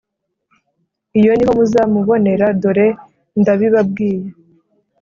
Iyo ni ho muzamubonera dore ndabibabwiye.